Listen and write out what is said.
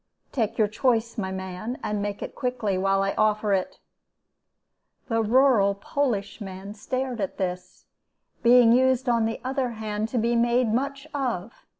Take your choice, my man; and make it quickly, while I offer it.' "The rural polishman stared at this, being used on the other hand to be made much of.